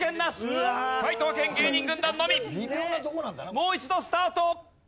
もう一度スタート！